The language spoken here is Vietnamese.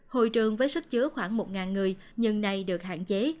hội trường với sức chứa khoảng một người nhưng nay được hạn chế